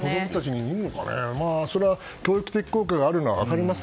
教育的効果があるのは分かります。